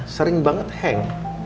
sering banget hang